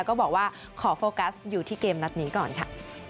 ก็บอกว่าขอโฟกัสอยู่ที่เกมนัดนี้ก่อนค่ะ